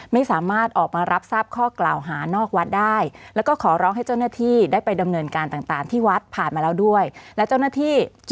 ไม่สามารถออกมารับทราบข้อกล่าวหานอกวัดได้